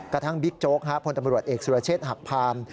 กระทั่งบิ๊กโจ๊กพลตำรวจเอกสุรเชษฐ์หักพาร์ม